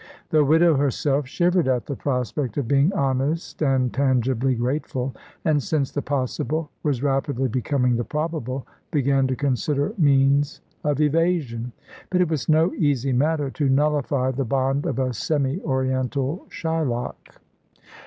The widow herself shivered at the prospect of being honest and tangibly grateful; and, since the possible was rapidly becoming the probable, began to consider means of evasion. But it was no easy matter to nullify the bond of a semi oriental Shylock.